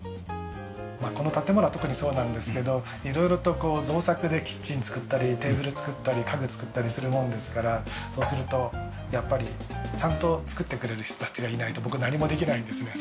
まあこの建物は特にそうなんですけど色々とこう造作でキッチン作ったりテーブル作ったり家具作ったりするものですからそうするとやっぱりちゃんと作ってくれる人たちがいないと僕何もできないんですね。